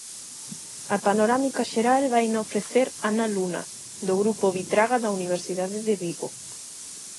A panorámica xeral vaina ofrecer Ana Luna, do grupo Bitraga da Universidade de Vigo.